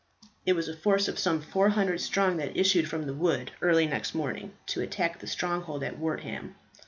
It was a force of some 400 strong that issued from the wood early next morning to attack the stronghold at Wortham.